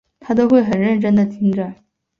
她都会很认真地听着